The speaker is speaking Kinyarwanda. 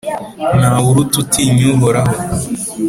nta we uruta utinya Uhoraho